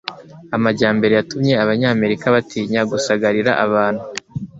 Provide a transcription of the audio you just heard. amajyambere yatumye Abanyamerika “batinya gusagarira abantu”